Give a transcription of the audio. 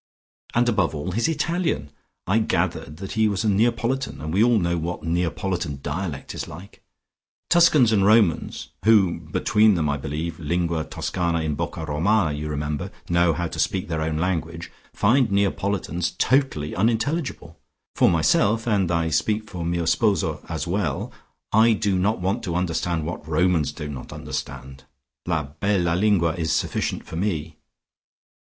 And above all, his Italian! I gathered that he was a Neapolitan, and we all know what Neapolitan dialect is like. Tuscans and Romans, who between them I believe Lingua Toscano in Bocca Romana, you remember know how to speak their own tongue, find Neapolitans totally unintelligible. For myself, and I speak for mio sposo as well, I do not want to understand what Romans do not understand. La bella lingua is sufficient for me."